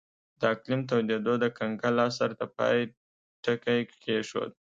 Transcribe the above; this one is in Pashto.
د اقلیم تودېدو د کنګل عصر ته پای ټکی کېښود.